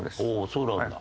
そうなんだ。